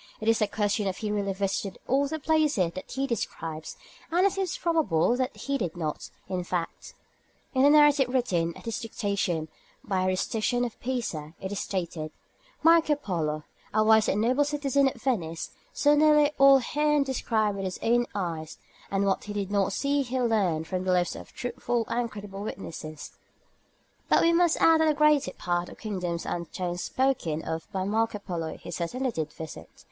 It is a question if he really visited all the places that he describes, and it seems probable that he did not; in fact, in the narrative written at his dictation by Rusticien of Pisa it is stated "Marco Polo, a wise and noble citizen of Venice, saw nearly all herein described with his own eyes, and what he did not see he learnt from the lips of truthful and credible witnesses;" but we must add that the greater part of the kingdoms and towns spoken of by Marco Polo he certainly did visit.